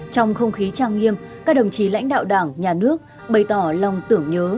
trong không khí trang nghiêm các đồng chí lãnh đạo đảng nhà nước bày tỏ lòng tưởng nhớ